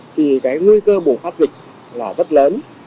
thì nguy cơ bùng phát dịch rất lớn